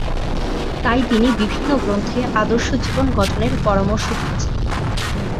তাই তিনি বিভিন্ন গ্রন্থে আদর্শ জীবন গঠনের পরামর্শ দিয়েছেন।